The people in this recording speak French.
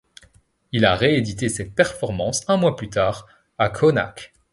Il a réédité cette performance un mois plus tard, à Schonach.